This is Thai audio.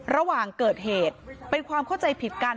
ระหว่างเกิดเหตุเป็นความเข้าใจผิดกัน